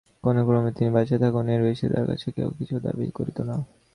কোনোক্রমে তিনি বাঁচিয়া থাকুন, এর বেশি তাঁর কাছে কেহ কিছু দাবি করিত না।